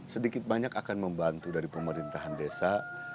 sedikit banyak akan membantu dari pemerintahan desa